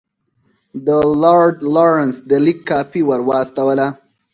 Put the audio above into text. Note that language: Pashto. د لارډ لارنس د لیک کاپي ورواستوله.